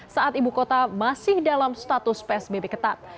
saat ibu kota masih dalam status psbb ketat